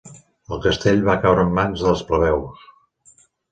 El castell va caure en mans dels plebeus.